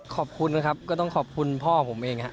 ขอบคุณนะครับก็ต้องขอบคุณพ่อผมเองครับ